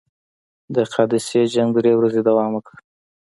د قادسیې جنګ درې ورځې دوام وکړ.